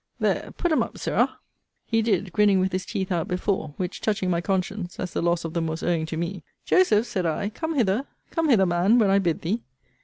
There put 'em up, Sirrah. He did, grinning with his teeth out before; which touching my conscience, as the loss of them was owing to me, Joseph, said I, come hither. Come hither, man, when I bid thee.